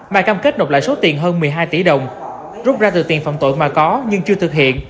mà cam kết nộp lại số tiền hơn một mươi hai tỷ đồng rút ra từ tiền phạm tội mà có nhưng chưa thực hiện